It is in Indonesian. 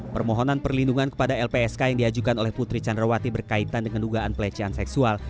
permohonan perlindungan kepada lpsk yang diajukan oleh putri candrawati berkaitan dengan dugaan pelecehan seksual